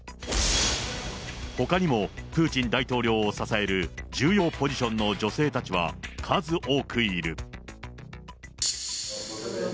ほかにもプーチン大統領を支える重要ポジションの女性たちは、数多くいる。